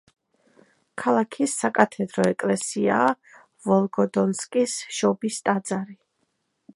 ქალაქის საკათედრო ეკლესიაა ვოლგოდონსკის შობის ტაძარი.